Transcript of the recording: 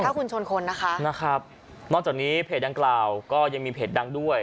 ถ้าคุณชนคนนะคะนะครับนอกจากนี้เพจดังกล่าวก็ยังมีเพจดังด้วย